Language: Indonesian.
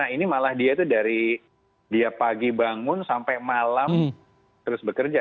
ini malah dia itu dari dia pagi bangun sampai malam terus bekerja